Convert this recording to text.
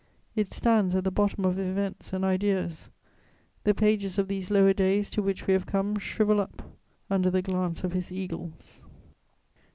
It stands at the bottom of events and ideas: the pages of these lower days to which we have come shrivel up under the glance of his eagles."